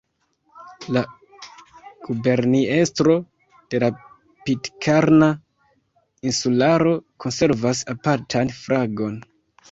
La Guberniestro de la Pitkarna Insularo konservas apartan flagon.